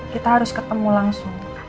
kita harus ketemu langsung